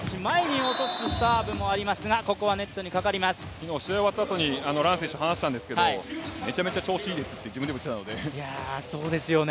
昨日、試合終わった後に藍選手と話したんですけどめちゃめちゃ調子いいですと、自分でも言っていたので。